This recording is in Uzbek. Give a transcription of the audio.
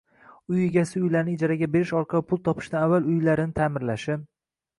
Uy egasi uylarni ijaraga berish orqali pul topishdan avval uylarini ta’mirlashi